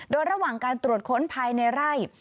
โดยระหว่างการตรวจค้นภายในไร่